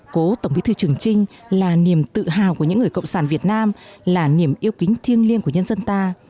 cố tổng bí thư trường trinh là niềm tự hào của những người cộng sản việt nam là niềm yêu kính thiêng liêng của nhân dân ta